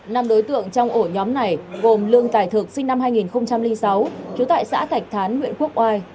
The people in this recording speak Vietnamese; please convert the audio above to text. năm đối tượng trong ổ nhóm này gồm lương tài thực sinh năm hai nghìn sáu trú tại xã thạch thán huyện quốc oai